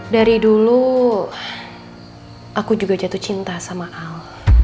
dari dulu aku juga jatuh cinta sama al